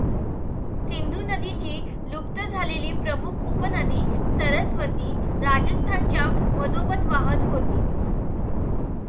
सिंधू नदीची लुप्त झालेली प्रमुख उपनदी सरस्वती राजस्थानच्या मधोमध वाहत होती.